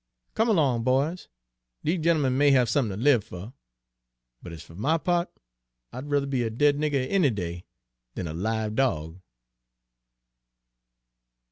Come along, boys! Dese gentlemen may have somethin' ter live fer; but ez fer my pa't, I'd ruther be a dead nigger any day dan a live dog!"